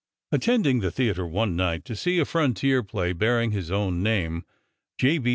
Attending the theater one night to see a frontier play bearing his own name J. B.